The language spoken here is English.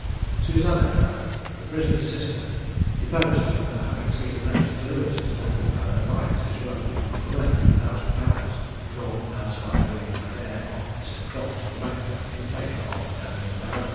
Susannah Perreau (the prisoner's sister) deposed to her having seen a note delivered to Daniel Perreau, by Mrs. Rudd, for nineteen thousand pounds, drawn as by William Adair, on Mr. Croft, the banker, in favour of Daniel Perreau.